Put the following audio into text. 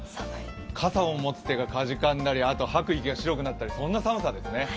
傘を持つ手がかじかんだり、吐く息が白くなったり、そんな寒さですね。